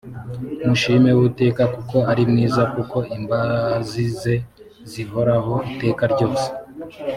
mushime uwiteka kuko ari mwiza kuko imbazi ze zihoraho iteka ryose